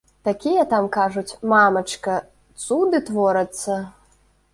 Такія там, кажуць, мамачка, цуды творацца.